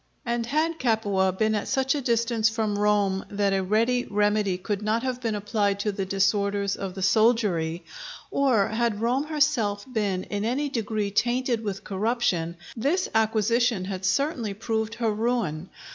And had Capua been at such a distance from Rome that a ready remedy could not have been applied to the disorders of the soldiery, or had Rome herself been in any degree tainted with corruption, this acquisition had certainly proved her ruin.